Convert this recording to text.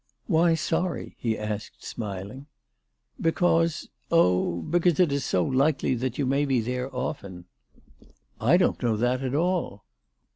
"Why sorry ?" he asked, smiling, " Because Oh, because it is so likely that you may be there often." " I don't know that at all."